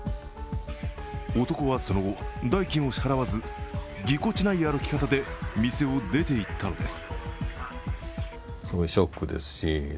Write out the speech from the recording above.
男はその後、代金を支払わずぎこちない歩き方で店を出ていったのです。